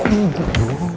kamu gue dulu